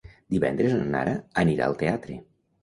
Divendres na Nara anirà al teatre.